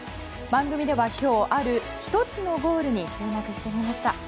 番組では今日ある１つのゴールに注目してみました。